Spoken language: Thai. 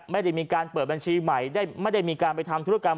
ไม่ได้มีการเปิดบัญชีใหม่ไม่ได้มีการไปทำธุรกรรม